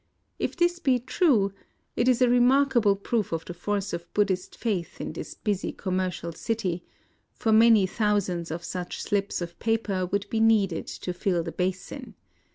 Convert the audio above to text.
If this be true, it is a remarkable proof of the force of Buddhist faith in this busy commercial city ; IN OSAKA 161 for many tliousands of sucli slips of paper would be needed to fill the basin.